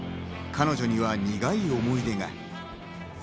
彼女には苦い思い出が。